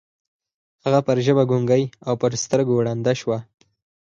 هغه پر ژبه ګونګۍ او پر سترګو ړنده شوه.